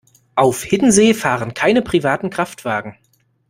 Auf Hiddensee fahren keine privaten Kraftwagen.